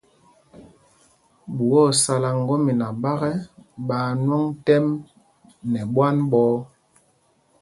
Ɓuá ó sálá ŋgɔ́mina ɓak ɛ, ɓaa ŋwɔŋ tɛ́m nɛ ɓwán ɓɔ̄ɔ̄.